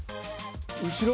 後ろ？